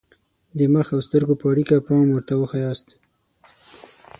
د مخ او سترګو په اړیکه پام ورته وښایاست.